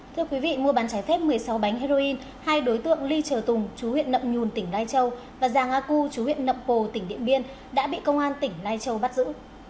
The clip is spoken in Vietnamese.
thưa quý vị mua bán trái phép một mươi sáu bánh heroin hai đối tượng ly trở tùng chú huyện nậm nhùn tỉnh lai châu và giàng a cư chú huyện nậm pồ tỉnh điện biên đã bị công an tỉnh lai châu bắt giữ